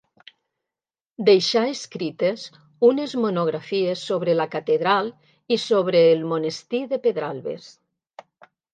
Deixà escrites unes monografies sobre la catedral i sobre el monestir de Pedralbes.